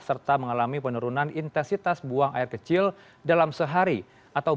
serta mengalami penurunan diantara penyakit yang menyebabkan penyakit ini